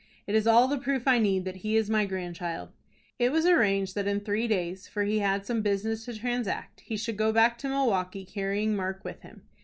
"It is all the proof I need that he is my grandchild." It was arranged that in three days, for he had some business to transact, he should go back to Milwaukie carrying Mark with him.